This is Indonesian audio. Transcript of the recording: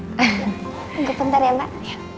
tunggu bentar ya mbak